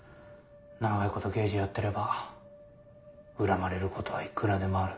長いこと刑事やってれば恨まれることはいくらでもある。